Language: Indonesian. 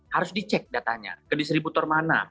harus dicek datanya ke distributor mana